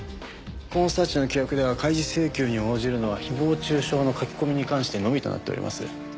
コーンスターチの規約では開示請求に応じるのは誹謗中傷の書き込みに関してのみとなっております。